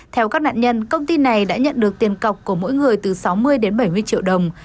theo các nạn nhân công ty này đã nhận được tiền cọc của mỗi người từ sáu mươi đến bảy mươi triệu đồng